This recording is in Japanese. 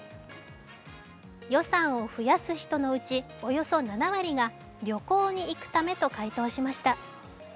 予算を増やす人のうち、およそ７割が旅行に行くためと回答しました。